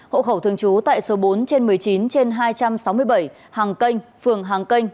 hậu khẩu thường chú tại số bốn trên một mươi chín trên hai trăm sáu mươi bảy hàng canh phường hàng canh